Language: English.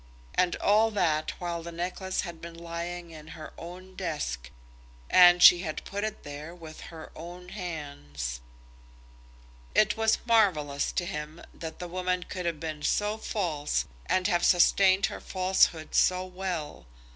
And all the while the necklace had been lying in her own desk, and she had put it there with her own hands! It was marvellous to him that the woman could have been so false and have sustained her falsehood so well.